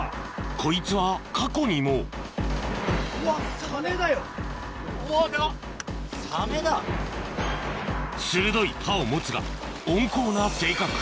こいつは過去にも鋭い歯を持つが温厚な性格